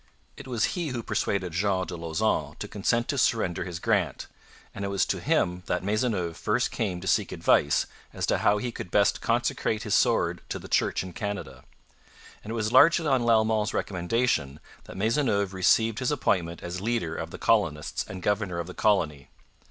It was he who persuaded Jean de Lauzon to consent to surrender his grant, and it was to him that Maisonneuve first came to seek advice as to how he could best consecrate his sword to the Church in Canada. And it was largely on Lalemant's recommendation that Maisonneuve received his appointment as leader of the colonists and governor of the colony.